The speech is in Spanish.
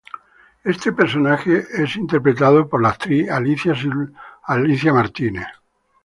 Este personaje es interpretado por la actriz Alicia Silverstone.